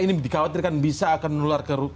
ini dikhawatirkan bisa akan menular ke